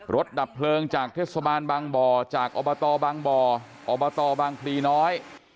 ดับเพลิงจากเทศบาลบางบ่อจากอบตบางบ่ออบตบางพลีน้อย